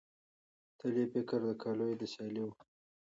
تل یې فکر د کالیو د سیالۍ وو